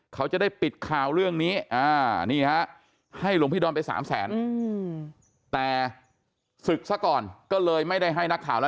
เขาจะได้ปิดข่าวเรื่องนี้นี่ฮะให้หลวงพี่ดอนไป๓แสนแต่ศึกซะก่อนก็เลยไม่ได้ให้นักข่าวแล้ว